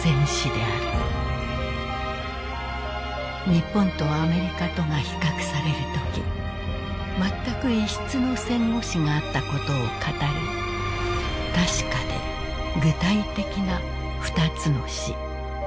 「日本とアメリカとが比較されるときまったく異質の戦後史があったことを語るたしかで具体的な二つの死」。